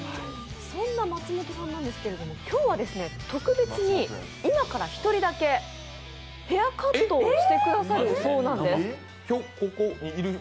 そんな松本さんですが今日は特別に、今から１人だけ、ヘアカットをしてくださるそうなんです。